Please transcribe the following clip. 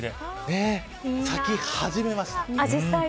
咲き始めました。